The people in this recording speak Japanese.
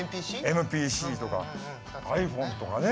ＭＰＣとかｉＰｈｏｎｅとかね